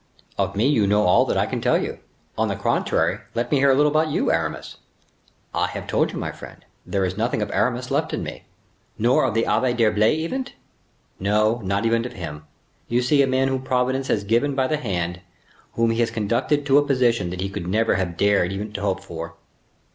"Of me you know all that I can tell you. On the contrary let me hear a little about you, Aramis." "I have told you, my friend. There is nothing of Aramis left in me." "Nor of the Abbe d'Herblay even?" "No, not even of him. You see a man whom Providence has taken by the hand, whom he has conducted to a position that he could never have dared even to hope for."